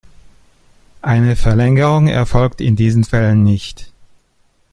Eine Verlängerung erfolgt in diesen Fällen nicht.